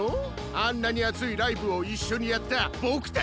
あんなにあついライブをいっしょにやったボクたちを。